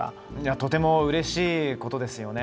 とてもうれしいことです。